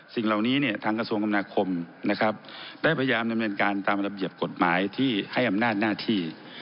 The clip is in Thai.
สิ่งเหล่านี้เนี่ยทางกระทรวงคำนาคมนะครับได้พยายามดำเนินการตามระเบียบกฎหมายที่ให้อำนาจหน้าที่